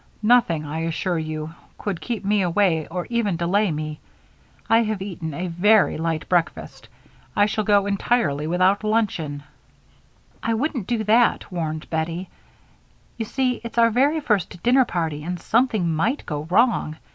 Nothing, I assure you, could keep me away or even delay me. I have eaten a very light breakfast, I shall go entirely without luncheon " "I wouldn't do that," warned Bettie. "You see it's our first dinner party and something might go wrong.